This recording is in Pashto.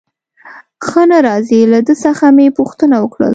ښه نه راځي، له ده څخه مې پوښتنه وکړل.